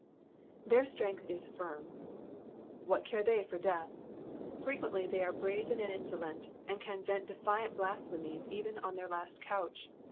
''Their strength is Jirm.''^ What care they for death? Frequently they are brazen and insolent, und can vent defiant blasphemies even on their Inst couch.